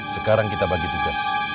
sekarang kita bagi tugas